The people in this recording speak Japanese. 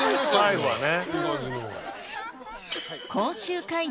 最後はね。